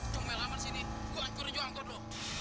cuma belaman sini gua angkut anjur angkot lo